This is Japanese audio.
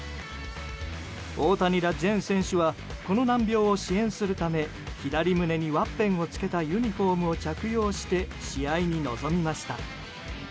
大谷ら全選手はこの難病を支援するため左胸にワッペンをつけたユニホームを着用して試合に臨みました。